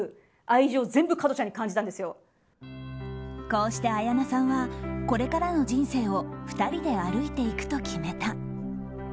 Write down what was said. こうして綾菜さんはこれからの人生を２人で歩いていくと決めた。